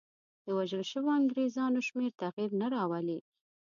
د وژل شویو انګرېزانو شمېر تغییر نه راولي.